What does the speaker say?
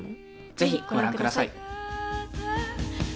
ぜひご覧下さい。